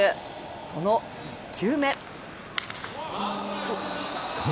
その１球目。